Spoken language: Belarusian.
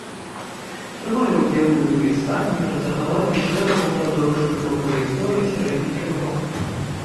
Прымае ўдзел у напісанні і рэдагаванні шэрагу падручнікаў па гісторыі сярэдніх вякоў.